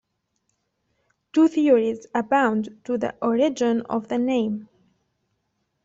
Two theories abound to the origin of the name.